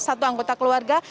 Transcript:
satu anggota keluarga